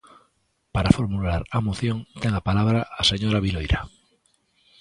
Para formular a moción ten a palabra a señora Viloira.